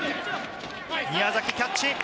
宮崎、キャッチ！